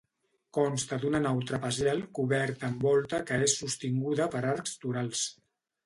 Consta d'una nau trapezial, coberta amb volta que és sostinguda per arcs torals.